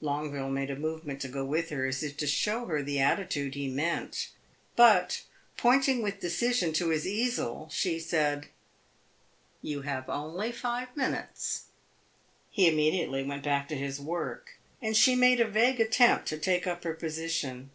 Longueville made a movement to go with her, as if to show her the attitude he meant; but, pointing with decision to his easel, she said "You have only five minutes." He immediately went back to his work, and she made a vague attempt to take up her position.